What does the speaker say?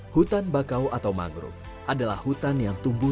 hutan bakau atau mangrove adalah hutan yang tumbuh